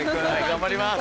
頑張ります。